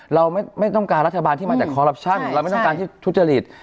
เราไม่ต้องการรัฐบาลที่มาจากคอรัปชั่นเราไม่ต้องการที่ทุจริต